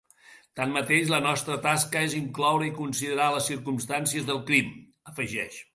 Tanmateix, la nostra tasca és incloure i considerar les circumstàncies del crim, afegeix.